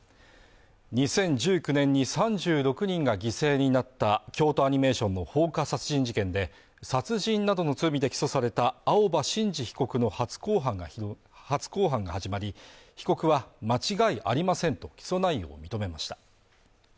２０１９年に３６人が犠牲になった京都アニメーションの放火殺人事件で殺人などの罪で起訴された青葉真司被告の初公判が始まり被告は間違いありませんと起訴内容を認めました